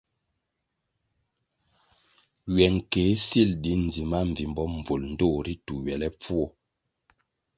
Ywe nkéh sil di ndzima mbvimbo mbvul ndtoh ritu ywelepfuo.